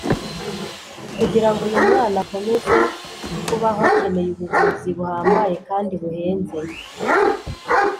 Kugira ngo uyu mwana akomeze kubaho akeneye ubuvuzi buhambaye kandi buhenze